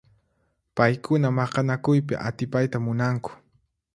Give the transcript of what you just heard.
Paykuna maqanakuypi atipayta munanku.